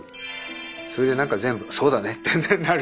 それでなんか全部そうだねってなる。